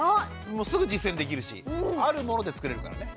もうすぐ実践できるしあるもので作れるからね。